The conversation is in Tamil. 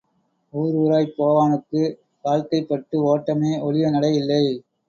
ஊர் ஊராய்ப் போவானுக்கு வாழ்க்கைப்பட்டு ஓட்டமே ஒழிய நடை இல்லை.